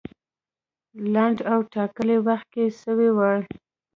لنډ او ټاکلي وخت کې سوی وای.